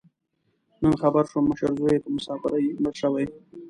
نن خبر شوم، مشر زوی یې په مسافرۍ مړ شوی.